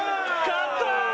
勝ったー！